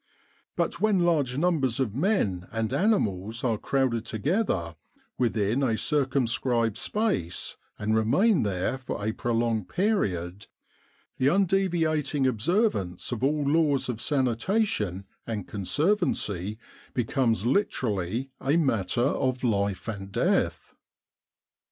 But when large numbers of men and animals are crowded together within a circumscribed space and remain there for a prolonged period, the undeviating observ ance of all laws of sanitation and conservancy becomes literally a matter of life and death.